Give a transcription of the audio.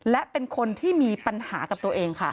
และเป็นคนที่มีปัญหากับตัวเองค่ะ